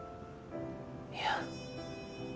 いや。